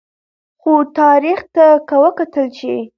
خو تاریخ ته که وکتل شي